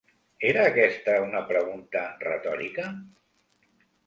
Era aquesta una pregunta retòrica?